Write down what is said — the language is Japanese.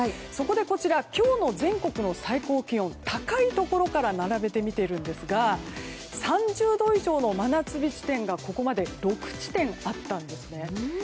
そこで今日の全国の最高気温高いところから並べてみているんですが３０度以上の真夏日地点がここまで６地点あったんですね。